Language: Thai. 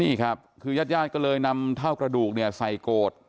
นี่ครับคือยาดก็เลยนำเท่ากระดูกใส่โกรธ